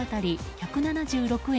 １７６円